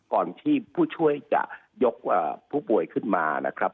ก่อนที่ผู้ช่วยจะยกผู้ป่วยขึ้นมานะครับ